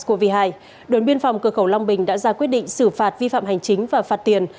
tổ công tác của trạm kiểm soát biên phòng cửa khẩu long bình đã ra quyết định xử phạt vi phạm hành chính và phạt tiền